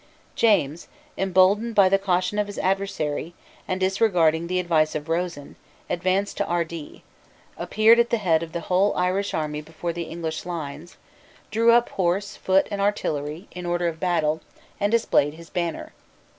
James, emboldened by the caution of his adversary, and disregarding the advice of Rosen, advanced to Ardee, appeared at the head of the whole Irish army before the English lines, drew up horse, foot and artillery, in order of battle, and displayed his banner.